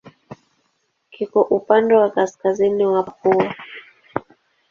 Kiko upande wa kaskazini wa Papua.